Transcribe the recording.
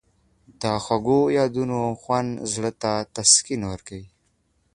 د خوږو یادونو خوند زړه ته تسکین ورکوي.